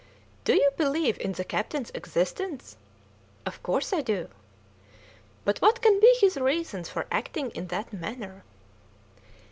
"Do you believe in the captain's existence?" "Of course I do." "But what can be his reasons for acting in that manner?"